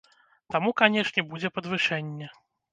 Таму, канешне, будзе падвышэнне.